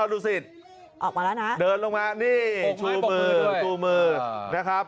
จูมือนะครับ